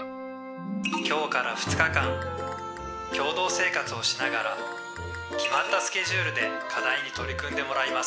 「今日から２日間共同生活をしながら決まったスケジュールで課題に取り組んでもらいます」。